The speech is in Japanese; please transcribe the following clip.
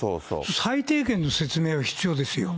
最低限の説明は必要ですよ。